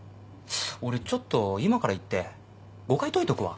俺ちょっと今から行って誤解解いとくわ。